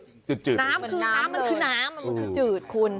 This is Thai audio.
น้ำมันคือน้ำมันคือจืดคุณ